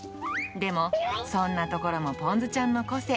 でも、そんなところもぽんずちゃんの個性。